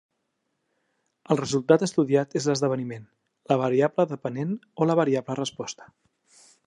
El resultat estudiat és l'esdeveniment, la variable dependent o la variable resposta.